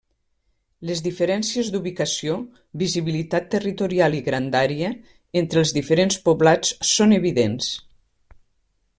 Les diferències d'ubicació, visibilitat territorial i grandària, entre els diferents poblats són evidents.